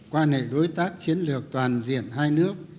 quan hệ đối tác chiến lược toàn diện hai nước